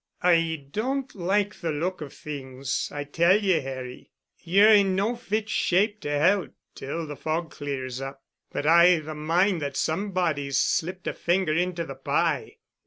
"I don't like the look of things, I tell ye, Harry. Ye're in no fit shape to help 'til the fog clears up, but I've a mind that somebody's slipped a finger into the pie.